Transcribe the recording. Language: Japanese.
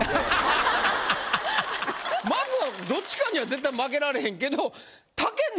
まずはどっちかには絶対負けられへんけど。